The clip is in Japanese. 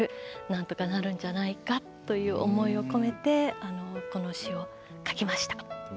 なんとかなるんじゃないかという思いを込めてこの詞を書きました。